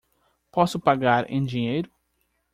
Posso pagar em dinheiro?